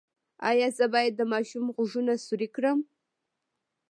ایا زه باید د ماشوم غوږونه سورۍ کړم؟